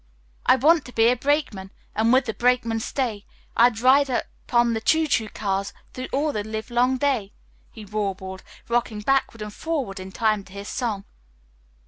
"I want to be a brakeman, And with the brakemen stay, I'd ride upon the choo choo cars Through all the livelong day," he warbled, rocking backward and forward in time to his song.